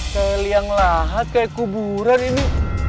saya liang lahat kayak kuburan ini